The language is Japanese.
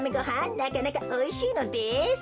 なかなかおいしいのです。